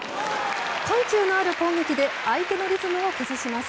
緩急のある攻撃で相手のリズムを崩します。